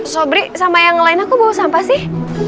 sobri sama yang lain aku bawa sampah sih